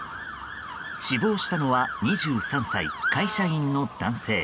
死亡したのは２３歳、会社員の男性。